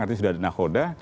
artinya sudah ada nahoda